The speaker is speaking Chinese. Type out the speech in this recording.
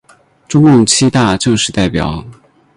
中共七大正式代表。